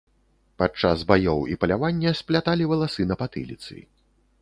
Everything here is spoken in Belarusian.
Падчас баёў і палявання спляталі валасы на патыліцы.